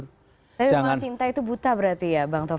tapi memang cinta itu buta berarti ya bang taufi